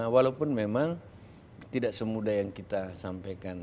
walaupun memang tidak semudah yang kita sampaikan